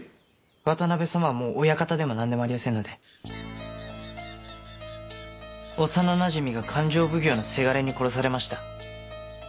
渡辺さまはもう親方でも何でもありやせんので幼なじみが勘定奉行のせがれに殺されました